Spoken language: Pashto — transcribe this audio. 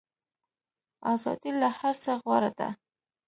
ازادي له هر څه غوره ده.